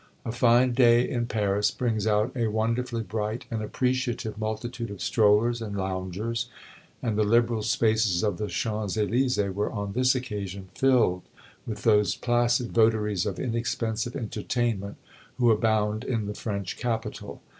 A fine day in Paris brings out a wonderfully bright and appreciative multitude of strollers and loungers, and the liberal spaces of the Champs Elysees were on this occasion filled with those placid votaries of inexpensive entertainment who abound in the French capital.